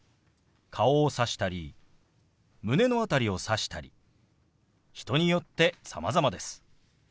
顔をさしたり胸の辺りをさしたり人によってさまざまです。